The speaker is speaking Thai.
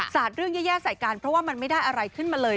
สาดเรื่องแย่ใส่กันเพราะว่ามันไม่ได้อะไรขึ้นมาเลย